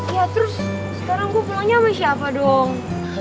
ya terus sekarang gue pulangnya sama siapa dong